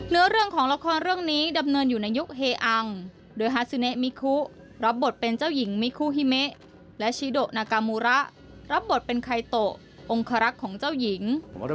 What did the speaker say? เนื้อเรื่องของละครเรื่องนี้ดำเนินอยู่ในยุคเฮอัง